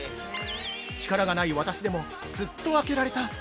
「力がない私でもすっと開けられた！」